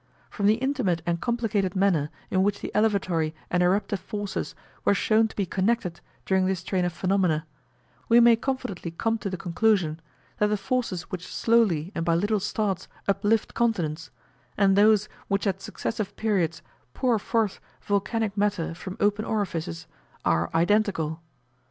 From the intimate and complicated manner in which the elevatory and eruptive forces were shown to be connected during this train of phenomena, we may confidently come to the conclusion, that the forces which slowly and by little starts uplift continents, and those which at successive periods pour forth volcanic matter from open orifices, are identical.